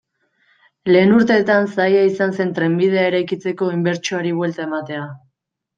Lehen urteetan zaila izan zen trenbidea eraikitzeko inbertsioari buelta ematea.